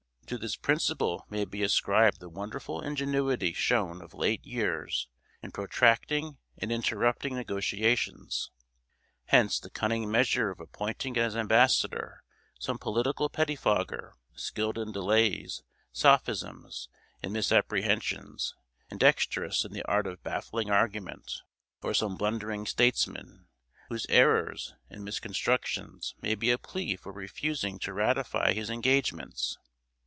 To this principle may be ascribed the wonderful ingenuity shown of late years in protracting and interrupting negotiations. Hence the cunning measure of appointing as ambassador some political pettifogger skilled in delays, sophisms, and misapprehensions, and dexterous in the art of baffling argument; or some blundering statesman, whose errors and misconstructions may be a plea for refusing to ratify his engagements.